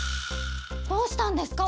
どうしたんですか？